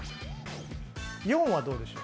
４はどうでしょう？